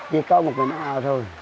chỉ có một mình ông âu thôi